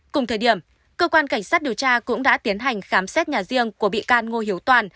cùng thời điểm cơ quan cảnh sát điều tra cũng đã tiến hành khám xét nhà riêng của bị can ngô hiếu toàn